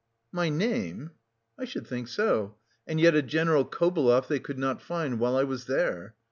"My name!" "I should think so; and yet a General Kobelev they could not find while I was there.